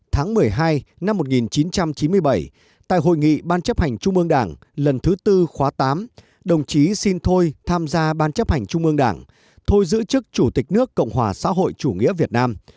tháng một mươi hai năm một nghìn chín trăm chín mươi bảy tại hội nghị ban chấp hành trung ương đảng lần thứ tư khóa tám đồng chí xin thôi tham gia ban chấp hành trung ương đảng thôi giữ chức chủ tịch nước cộng hòa xã hội chủ nghĩa việt nam